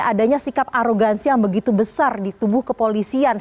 adanya sikap arogansi yang begitu besar di tubuh kepolisian